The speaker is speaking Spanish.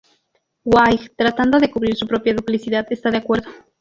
Dwight, tratando de cubrir su propia duplicidad, está de acuerdo.